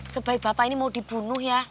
sebaik bapak ini mau dibunuh ya